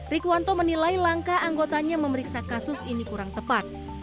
rikuwanto menilai langkah anggotanya memeriksa kasus ini kurang tepat